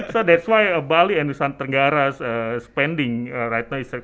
jadi itulah mengapa bali dan nusa tenggara berpenggunaan sekarang